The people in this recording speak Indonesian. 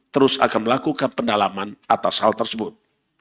terus akan melakukan pendalaman atas hal tersebut